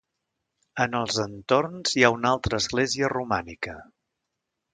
En els entorns hi ha una altra església romànica: